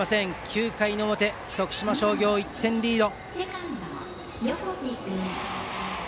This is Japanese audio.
９回表、徳島商業１点リード。